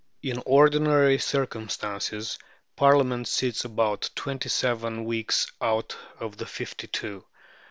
In ordinary circumstances Parliament sits about twenty seven weeks out of the fifty two.